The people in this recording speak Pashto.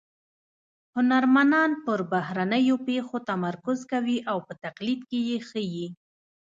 هنرمنان پر بهرنیو پېښو تمرکز کوي او په تقلید کې یې ښيي